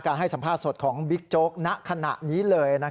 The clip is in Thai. ให้สัมภาษณ์สดของบิ๊กโจ๊กณขณะนี้เลย